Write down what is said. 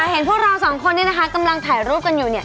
เห็นเราสองคนกำลังถ่ายรูปกันอยู่